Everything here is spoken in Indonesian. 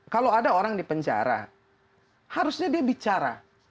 kalau ada orang di penjara harusnya dia bicara